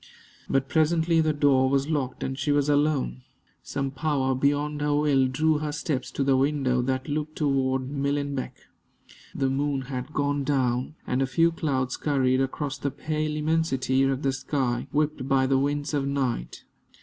But presently the door was locked, and she was alone. Some power beyond her will drew her steps to the window that looked toward Millenbeck. The moon had gone down, and a few clouds scurried across the pale immensity of the sky, whipped by the winds of night.